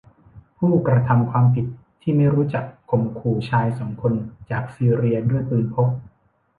ผู้กระทำความผิดที่ไม่รู้จักข่มขู่ชายสองคนจากซีเรียด้วยปืนพก